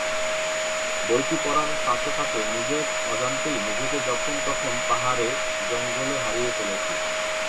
বইটি পড়ার ফাঁকে ফাঁকে নিজের অজান্তেই নিজেকে যখন-তখন পাহাড়ে, জঙ্গলে হারিয়ে ফেলেছি।